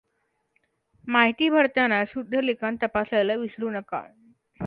माहिती भरताना शुद्धलेखन तपासायला विसरू नका!